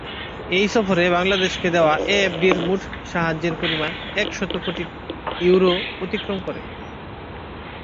এই সফরে বাংলাদেশকে দেওয়া এএফডি-র মোট সাহায্যের পরিমাণ এক শত কোটি ইউরো অতিক্রম করে।